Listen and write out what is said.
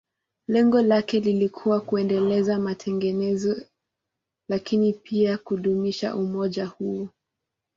Lengo lake lilikuwa kuendeleza matengenezo, lakini pia kudumisha umoja huo.